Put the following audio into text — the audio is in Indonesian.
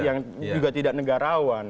yang juga tidak negarawan